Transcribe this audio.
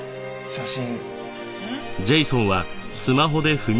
写真？